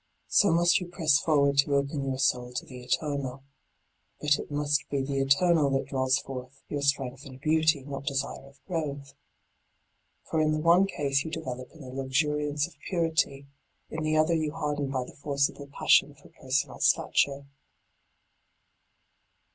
So must you press forward to open your soul to the eternal. But it must be the eternal that draws forth your strength and beauty, not desire of growth. For in the one case you develop in the luxuriance of purity, in the other you harden by the forcible passion for personal stature.